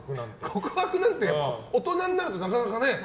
告白なんて大人になるとなかなかね。